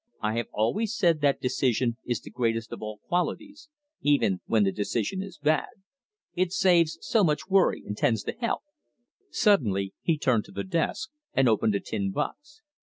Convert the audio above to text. "I have always said that decision is the greatest of all qualities even when the decision is bad. It saves so much worry, and tends to health." Suddenly he turned to the desk and opened a tin box.